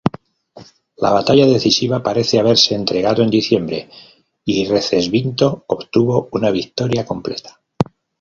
La batalla decisiva parece haberse entregado en diciembre, y Recesvinto obtuvo una victoria completa.